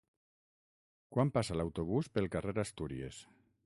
Quan passa l'autobús pel carrer Astúries?